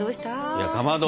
いやかまど！